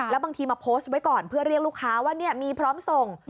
แล้วบางทีมาโพสต์ไว้ก่อนเพื่อเรียกลูกค้าว่ามีพร้อมส่ง